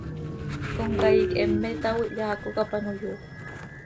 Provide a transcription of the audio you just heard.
Comcaii quih heme itaao, ihyaaco cap ano yoofp.